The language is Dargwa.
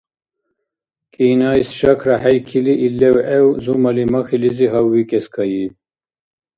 Кӏинайс, шакра хӏейкили, ил левгӏев зумали махьилизи гьаввикӏескайиб